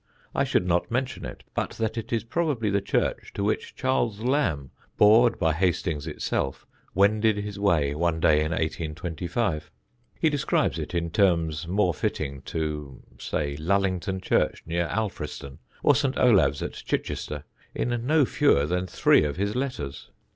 I should not mention it, but that it is probably the church to which Charles Lamb, bored by Hastings itself, wended his way one day in 1825. He describes it, in terms more fitting to, say, Lullington church near Alfriston, or St. Olave's at Chichester, in no fewer than three of his letters.